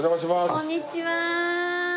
こんにちは。